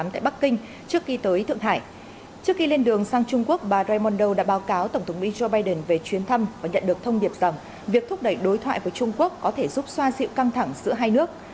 trước khi lên đường sang trung quốc bà raimondo đã báo cáo tổng thống mỹ joe biden về chuyến thăm và nhận được thông điệp rằng việc thúc đẩy đối thoại với trung quốc có thể giúp xoa dịu căng thẳng giữa hai nước